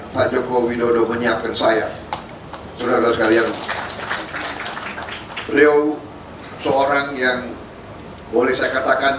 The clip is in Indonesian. pajoko widodo menyiapkan saya sudah sekalian beliau seorang yang boleh saya katakan